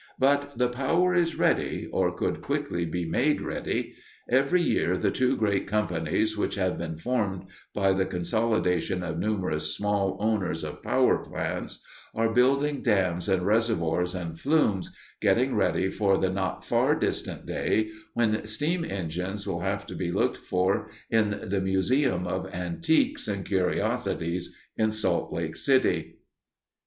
But the power is ready or could quickly be made ready. Every year the two great companies which have been formed by the consolidation of numerous small owners of power plants, are building dams and reservoirs and flumes, getting ready for the not far distant day when steam engines will have to be looked for in the Museum of Antiques and Curiosities in Salt Lake City.